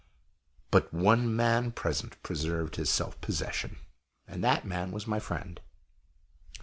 But one man present preserved his self possession, and that man was my friend.